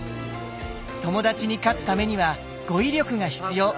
友達に勝つためには語彙力が必要。